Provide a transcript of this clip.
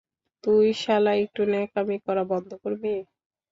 তুই শালা একটু ন্যাকামি করা বন্ধ করবি?